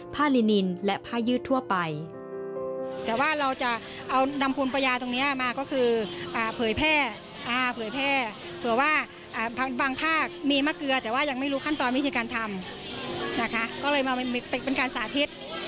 ผ้าลินินและผ้ายืดทั่วไป